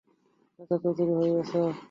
চাচা চৌধুরী হইছো?